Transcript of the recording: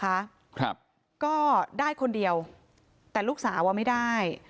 ครับก็ได้คนเดียวแต่ลูกสาวอ่ะไม่ได้